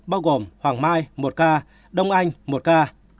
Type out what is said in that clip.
bao gồm hoàng mai một ca đông anh một ca